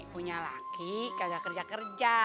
punya laki gagal kerja kerja